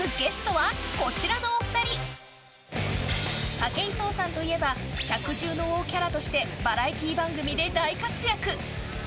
武井壮さんといえば百獣の王キャラとしてバラエティー番組で大活躍。